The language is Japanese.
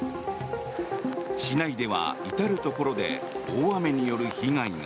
市内では至るところで大雨による被害が。